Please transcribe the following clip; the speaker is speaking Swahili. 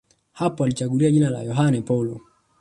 Hapo alijichagulia jina la Yohane Paulo